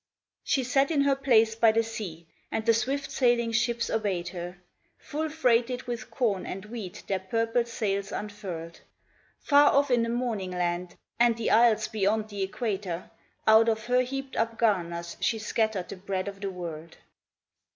She sat in her place by the sea, and the swift sailing ships obeyed her. Full freighted with corn and wheat their purple sails unfurled, Far off in the morning land, and the isles beyond the equator; Out of her heaped up garners she scattered the bread of the world.